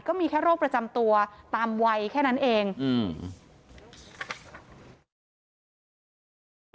ก็มีแค่โรคประจำตัวตามวัยแค่นั้นเองอืม